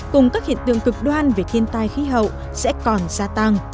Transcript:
cùng các hiện tượng cực đoan về thiên tai khí hậu sẽ còn gia tăng